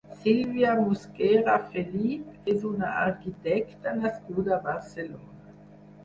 Sílvia Musquera Felip és una arquitecta nascuda a Barcelona.